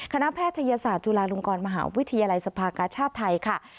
แพทยศาสตร์จุฬาลงกรมหาวิทยาลัยสภากาชาติไทยค่ะ